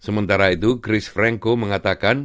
sementara itu chris frenko mengatakan